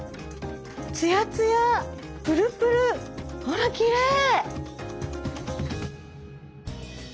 ツヤツヤプルプルほらきれい！